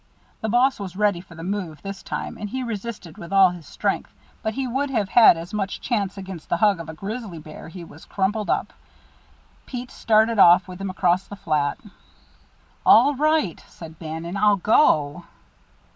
The boss was ready for the move this time, and he resisted with all his strength, but he would have had as much chance against the hug of a grizzly bear; he was crumpled up. Pete started off with him across the flat. "All right," said Bannon. "I'll go."